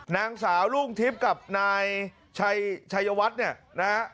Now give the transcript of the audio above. นางสาวรุ่งทิพย์กับนายชัยวัฒน์เนี่ยนะฮะ